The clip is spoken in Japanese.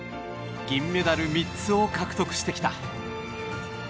銀メダル３つを獲得してきた。